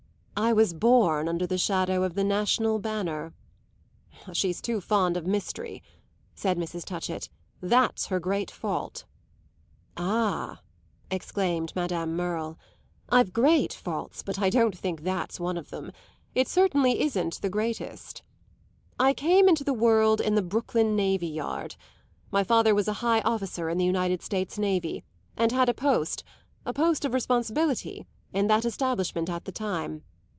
"I was born under the shadow of the national banner." "She's too fond of mystery," said Mrs. Touchett; "that's her great fault." "Ah," exclaimed Madame Merle, "I've great faults, but I don't think that's one of then; it certainly isn't the greatest. I came into the world in the Brooklyn navy yard. My father was a high officer in the United States Navy, and had a post a post of responsibility in that establishment at the time.